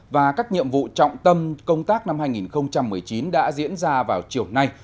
và các nhiệm vụ trọng tâm công tác năm hai nghìn một mươi chín đã diễn ra vào chiều nay